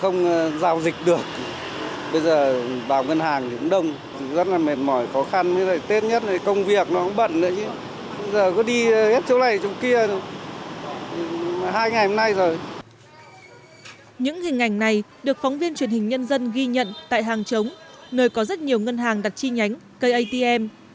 những hình ảnh này được phóng viên truyền hình nhân dân ghi nhận tại hàng chống nơi có rất nhiều ngân hàng đặt chi nhánh cây atm